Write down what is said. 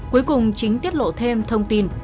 cuối cùng chính tiết lộ thêm thông tin